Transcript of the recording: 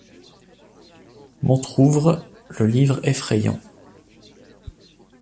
M'entr'ouvrent le livre effrayant